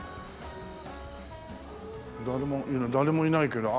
誰も誰もいないけど。